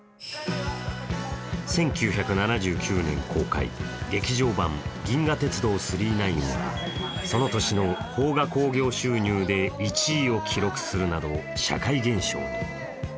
１９７９年公開、劇場版「銀河鉄道９９９」はその年の邦画興行収入で１位を記録するなど社会現象に。